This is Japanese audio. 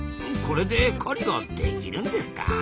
これで狩りができるんですか？